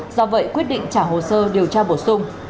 do vậy quyết định trả hồ sơ điều tra bổ sung